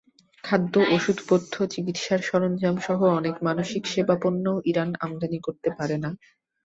খাদ্য, ওষুধপথ্য, চিকিৎসার সরঞ্জামসহ অনেক মানবিক সেবাপণ্যও ইরান আমদানি করতে পারে না।